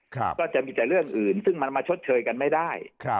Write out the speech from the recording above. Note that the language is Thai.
ก็จะมีแต่เรื่องอื่นซึ่งมันมาชดเชยกันไม่ได้